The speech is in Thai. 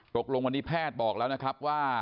ตกลงวันนี้แพทย์บอกแล้วนะครับว่า